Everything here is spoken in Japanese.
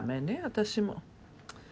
私も。